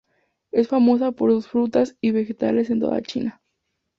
Es famosa por sus frutas y vegetales en toda China.